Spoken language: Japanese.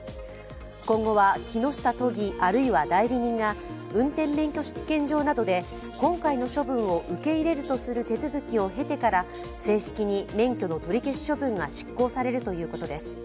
今後は、木下都議あるいは代理人が運転免許試験場などで今回の処分を受け入れるとする手続きを経てから、正式に免許の取り消し処分が執行されるということです。